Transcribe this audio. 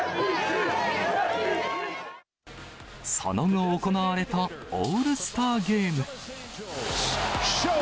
その後、行われたオールスターゲーム。